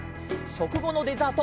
しょくごのデザート